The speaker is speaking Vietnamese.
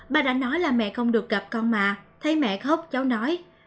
ba đã nói là mẹ không được gặp con mà thấy mẹ khóc cháu nói